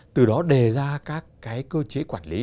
từ đó đề ra các cơ chế quản lý